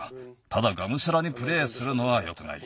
ただがむしゃらにプレーするのはよくない。